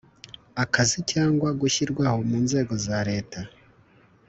akazi cyangwa gushyirwaho mu nzego za leta